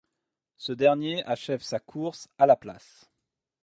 Ce dernier achève sa course à la place.